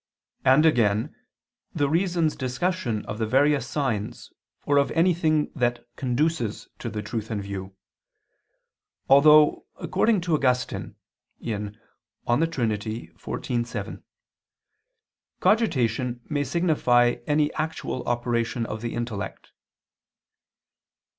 And again the reason's discussion of the various signs or of anything that conduces to the truth in view: although, according to Augustine (De Trin. xiv, 7), cogitation may signify any actual operation of the intellect.